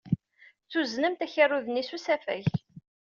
Tuznemt akerrud-nni s usafag.